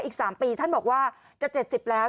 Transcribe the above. อีกสามปีท่านบอกว่าจะเจ็ดสิบแล้ว